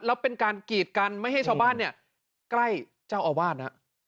แล้วเป็นการกีดกันไม่ให้ชาวบ้านเนี่ยใกล้เจ้าอาวาส